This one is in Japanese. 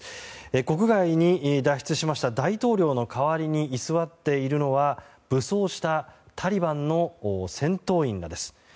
国外に脱出しました大統領の代わりに居座っているのが武装したタリバンの戦闘員らです。